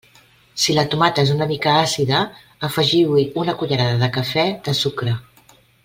Si la tomata és una mica àcida, afegiu-hi una cullerada de cafè de sucre.